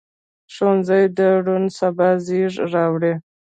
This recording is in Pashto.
ښوونځی د روڼ سبا زېری راوړي